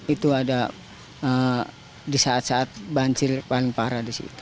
itu ada di saat saat banjir paling parah di situ